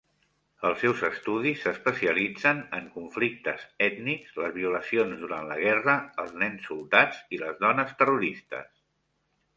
Els seus estudis s'especialitzen en conflictes ètnics, les violacions durant la guerra, els nens soldats i les dones terroristes.